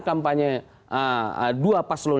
kampanye dua paslon